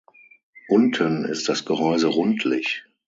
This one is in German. Unten ist das Gehäuse rundlich.